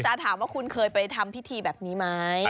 ถามว่าคุณเคยไปทำพิธีแบบนี้ไหม